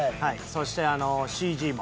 そしてＣＧも。